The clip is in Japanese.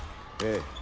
ええ。